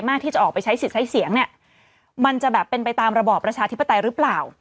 ที่จะออกไปใช้สิทธิ์ใช้เสียงเนี่ยมันจะแบบเป็นไปตามระบอบประชาธิปไตยหรือเปล่า